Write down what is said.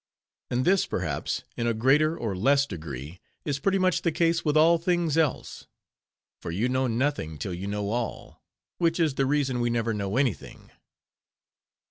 And this, perhaps, in a greater or less degree, is pretty much the case with all things else; for you know nothing till you know all; which is the reason we never know anything.